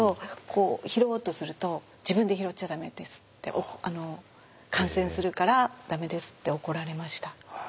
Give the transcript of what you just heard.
こう拾おうとすると「自分で拾っちゃダメです」って「感染するからダメです」って怒られました。